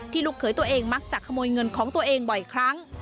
ลูกเขยตัวเองมักจะขโมยเงินของตัวเองบ่อยครั้ง